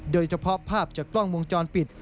โดยเฉพาะภาพจากกล้องวงจรปิด